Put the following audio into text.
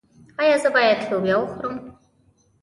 ایا زه باید لوبیا وخورم؟